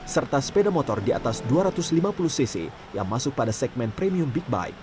serta sepeda motor di atas dua ratus lima puluh cc yang masuk pada segmen premium big bike